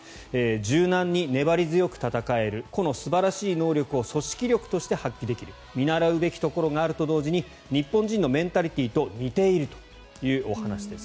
柔軟に粘り強く戦える個の素晴らしい能力を組織力として発揮できる見習うべきところがあると同時に日本人のメンタリティーと似ているというお話です。